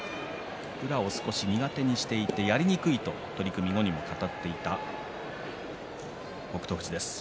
宇良を少し苦手にしていてやりにくいと取組後に語っていた北勝富士です。